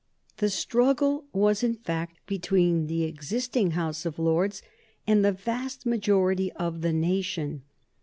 The struggle was in fact between the existing House of Lords and the vast majority of the nation.